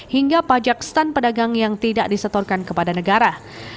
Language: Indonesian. hingga pajak stand pedagang yang tidak disetorkan kepada negara